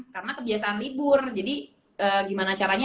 karena kebiasaan libur jadi gimana caranya